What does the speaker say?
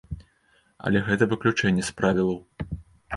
Але гэта выключэнне з правілаў.